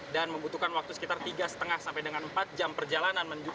dan membutuhkan waktu sekitar tiga lima sampai dengan empat jam perjalanan